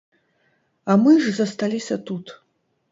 А мы ж засталіся тут.